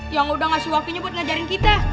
yang udah ngasih waktunya buat ngajarin kita